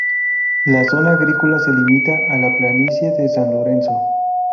La zona agrícola se limita a la planicie de San Lorenzo.